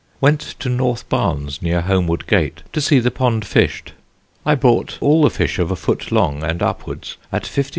Went to North Barnes near Homewood Gate to see the pond fisht. I bought all the fish of a foot long and upwards at 50_s.